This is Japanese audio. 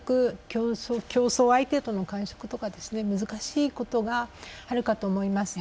競争相手との感触とか難しいことがあるかと思います。